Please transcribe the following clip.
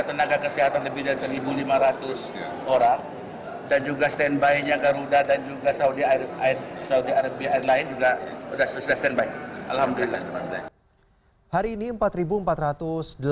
tenaga kesehatan lebih dari satu lima ratus orang dan juga standby nya garuda dan saudi arabia lain juga sudah standby